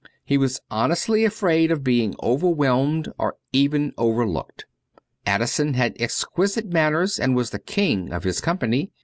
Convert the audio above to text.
He was honestly afraid of being overwhelmed or even overlooked. Addison had exquisite manners and was the king of his company.